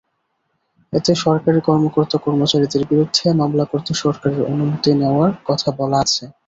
এতে সরকারি কর্মকর্তা-কর্মচারীর বিরুদ্ধে মামলা করতে সরকারের অনুমতি নেওয়ার কথা বলা আছে।